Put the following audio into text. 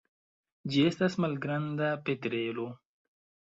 Ĝi estas malgranda petrelo.